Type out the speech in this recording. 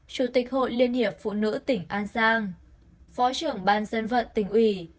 chủ tịch hội liên hiệp phụ nữ tỉnh an giang phó trưởng ban dân vận tỉnh ủy